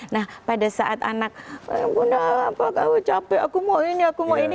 nah pada saat anak kamu capek aku mau ini aku mau ini